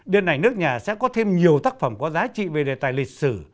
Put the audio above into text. điện ảnh nước nhà sẽ có thêm nhiều tác phẩm có giá trị về đề tài lịch sử